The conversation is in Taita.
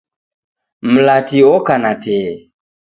Mlati oka na tee.